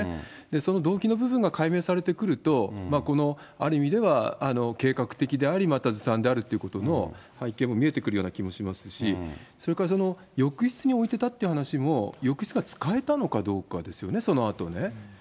その動機の部分が解明されてくると、このある意味では、計画的であり、またずさんであるということの背景も見えてくるような気もしますし、それからその浴室に置いてたって話も、浴室が使えたのかどうかですよね、そのあとね。